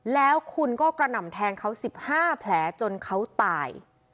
แล้วคุณก็กระหน่ำแทงเขา๑๕แผลจนเขาตาย